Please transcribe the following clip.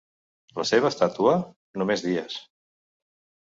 La seva estàtua? Només dies.